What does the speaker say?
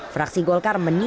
fraksi golkar menerima